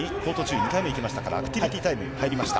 ２回目いきましたから、アクティビティータイムに入りました。